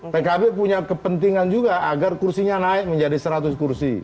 pkb punya kepentingan juga agar kursinya naik menjadi seratus kursi